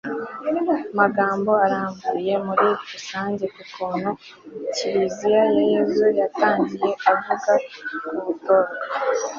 magambo arambuye muri rusange ku kuntu kiliziya ya yezu yatangiye, avuga ku butorwe